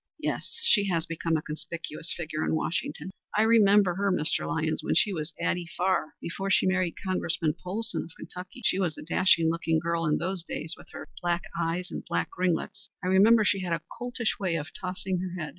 "Yes. She has become a conspicuous figure in Washington. I remember her, Mrs. Lyons, when she was Addie Farr before she married Congressman Polsen of Kentucky. She was a dashing looking girl in those days, with her black eyes and black ringlets. I remember she had a coltish way of tossing her head.